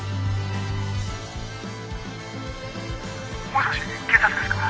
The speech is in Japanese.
「もしもし警察ですか？」